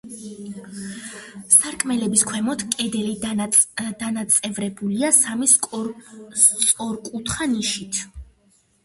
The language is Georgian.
სარკმლების ქვემოთ კედელი დანაწევრებულია სამი სწორკუთხა ნიშით.